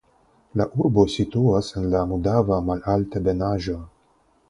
La urbo situas en la Mudava malaltebenaĵo.